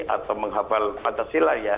atau menghabal pancasila ya